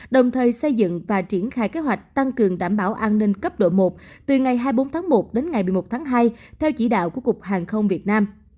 đồng thời xây dựng và triển khai kế hoạch tăng cường đảm bảo an ninh cấp độ một từ ngày hai mươi bốn tháng một đến ngày một mươi một tháng hai theo chỉ đạo của cục hàng không việt nam